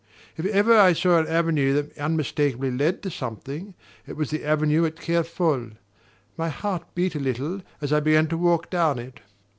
If ever I saw an avenue that unmistakably led to something, it was the avenue at Kerfol. My heart beat a little as I began to walk down it.